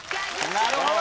なるほど！